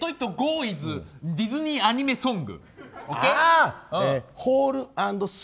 イズディズニーアニメソング。！